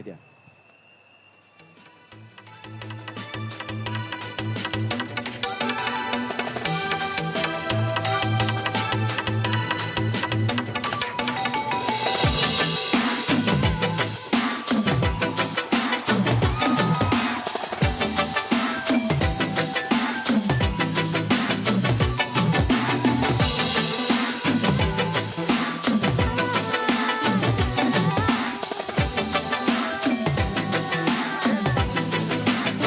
program indonesia yes